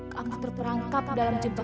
kamu terperangkap dalam jembatan